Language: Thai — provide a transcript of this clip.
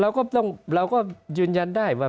ก็ต้องเราก็ยืนยันได้ว่า